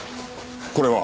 これは？